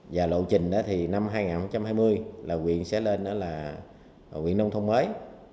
và lộ trình thì năm hai nghìn hai mươi quyền sẽ lên là quyền nông thôn mới